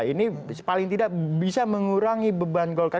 ini paling tidak bisa mengurangi beban golkar